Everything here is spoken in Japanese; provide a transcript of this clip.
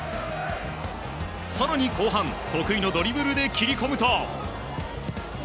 更に後半得意のドリブルで切り込むと。